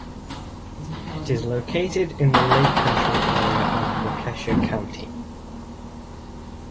It is located in the "Lake Country" area of Waukesha County.